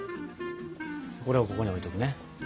これはここに置いとくね。